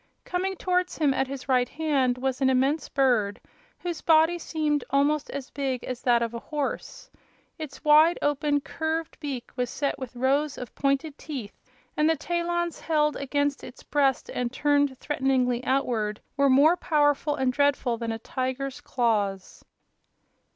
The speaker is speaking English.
Coming towards him at his right hand was an immense bird, whose body seemed almost as big as that of a horse. Its wide open, curving beak was set with rows of pointed teeth, and the talons held against its breast and turned threateningly outward were more powerful and dreadful than a tiger's claws.